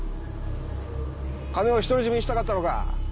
金を独り占めしたかったのか！？